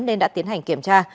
nên đã tiến hành kiểm tra